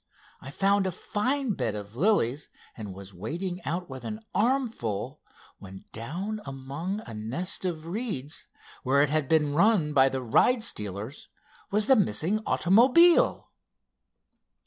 I found a fine bed of the lilies, and was wading out with an armful, when down among a nest of reeds, where it had been run by the ride stealers was the missing automobile."